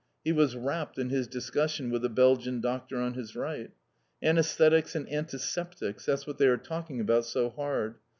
He was rapt in his discussion with the Belgian Doctor on his right. Anæsthetics and antiseptics, that's what they are talking about so hard.